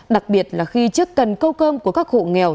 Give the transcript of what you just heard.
đặc biệt là khi trước cần câu cơm của các hộ nghèo